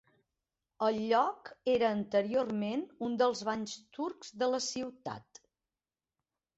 El lloc era anteriorment un dels banys turcs de la ciutat.